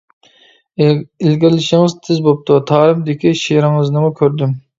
ئىلگىرىلىشىڭىز تېز بوپتۇ، «تارىم» دىكى شېئىرىڭىزنىمۇ كۆردۈم.